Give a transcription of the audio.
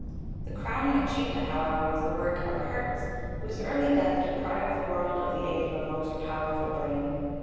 The crowning achievement, however, was the work of Hertz, whose early death deprived the world of the aid of a most powerful brain.